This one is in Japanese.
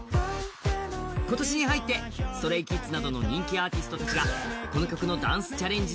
今年に入ってＳｔｒａｙＫｉｄｓなどの人気アーティストたちがこの曲のダンスチャレンジ